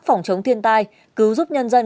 phòng chống thiên tai cứu giúp nhân dân